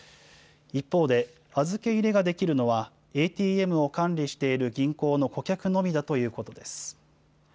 一方で、預け入れができるのは、ＡＴＭを管理している銀行の顧客のみだということです。